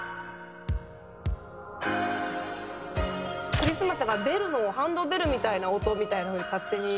クリスマスだからハンドベルみたいな音みたいな風に勝手に。